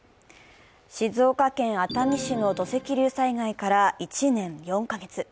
静岡県熱海市の土石流災害から１年４か月。